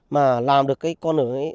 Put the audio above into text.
mà làm được cái con đường ấy